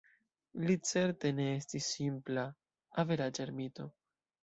Li certe ne estis simpla, "averaĝa" ermito.